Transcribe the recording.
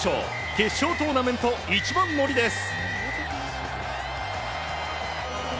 決勝トーナメント１番乗りです。